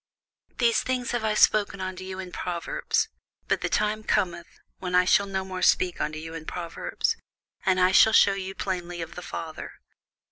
These things have I spoken unto you in proverbs: but the time cometh, when I shall no more speak unto you in proverbs, but I shall shew you plainly of the Father.